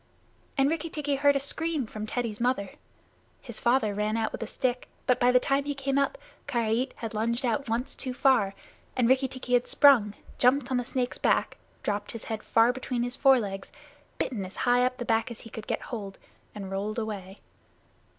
And Rikki tikki heard a scream from Teddy's mother. His father ran out with a stick, but by the time he came up, Karait had lunged out once too far, and Rikki tikki had sprung, jumped on the snake's back, dropped his head far between his forelegs, bitten as high up the back as he could get hold, and rolled away.